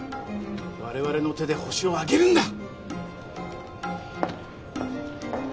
我々の手でホシを挙げるんだ！